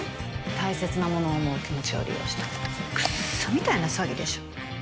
大切なものを思う気持ちを利用したクッソみたいな詐欺でしょ